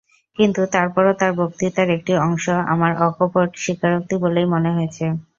কিন্তু, তারপরও তাঁর বক্তৃতার একটি অংশ আমার অকপট স্বীকারোক্তি বলেই মনে হয়েছে।